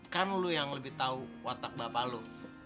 kan lu yang lebih tau watak bapak lu